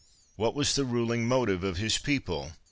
What was the ruling motive of his people